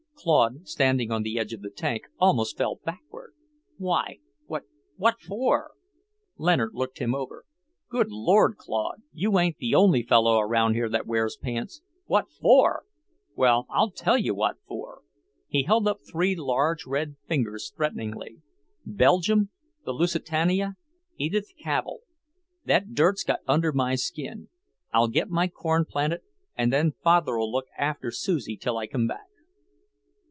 Claude, standing on the edge of the tank, almost fell backward. "Why, what what for?" Leonard looked him over. "Good Lord, Claude, you ain't the only fellow around here that wears pants! What for? Well, I'll tell you what for," he held up three large red fingers threateningly; "Belgium, the Lusitania, Edith Cavell. That dirt's got under my skin. I'll get my corn planted, and then Father'll look after Susie till I come back."